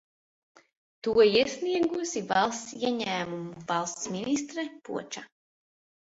To iesniegusi valsts ieņēmumu valsts ministre Poča.